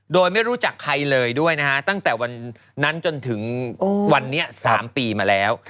โดยไม่รู้จักใครเลยด้วยนะฮะตั้งแต่วันนั้นจนถึงวันนี้๓ปีมาแล้ว